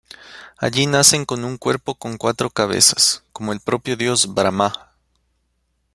Allí nacen con un cuerpo con cuatro cabezas, como el propio dios Brahmá.